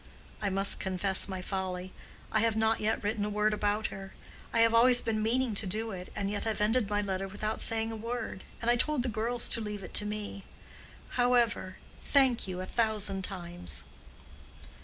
"I must confess my folly. I have not yet written a word about her. I have always been meaning to do it, and yet have ended my letter without saying a word. And I told the girls to leave it to me. However!—Thank you a thousand times."